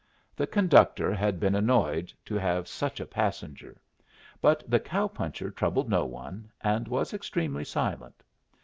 The conductor had been annoyed to have such a passenger; but the cow puncher troubled no one, and was extremely silent.